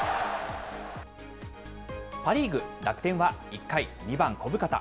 パ・リーグ、楽天は１回、２番小深田。